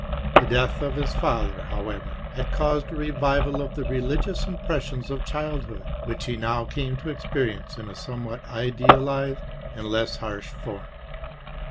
The death of his father, however, had caused a revival of the religious impressions of childhood, which he now came to experience in a somewhat idealized and less harsh form.